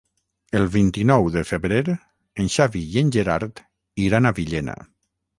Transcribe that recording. El vint-i-nou de febrer en Xavi i en Gerard iran a Villena.